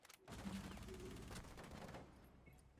mamlaka ambayo inashughulikia kupambana na rushwa nchini nigeria